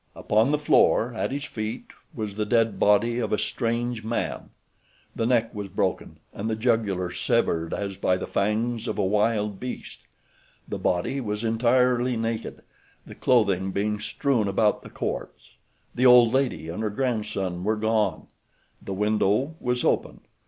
Upon the floor at his feet was the dead body of a strange man. The neck was broken and the jugular severed as by the fangs of a wild beast. The body was entirely naked, the clothing being strewn about the corpse. The old lady and her grandson were gone. The window was open.